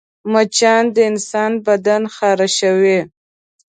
مچان د انسان بدن خارشوي